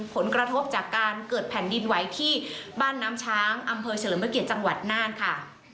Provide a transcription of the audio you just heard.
ผลกระทบจากการเกิดแผ่นดินไหวที่บ้านน้ำช้างอำเภอเฉลิมพระเกียรติจังหวัดน่านค่ะ